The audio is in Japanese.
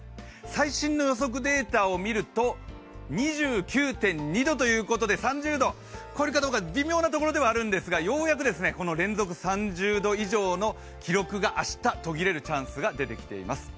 最新の予測データを見ると２９．２度ということで３０度、超えるかどうか微妙なところではあるんですけどようやく連続３０度以上の記録が明日途切れるチャンスが出てきています。